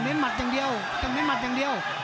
หมัดอย่างเดียวต้องเน้นหมัดอย่างเดียว